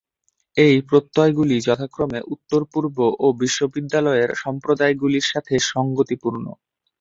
এই প্রত্যয়গুলি যথাক্রমে উত্তর-পূর্ব ও বিশ্ববিদ্যালয়ের সম্প্রদায়গুলির সাথে সঙ্গতিপূর্ণ।